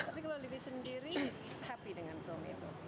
tapi kalau livi sendiri happy dengan film itu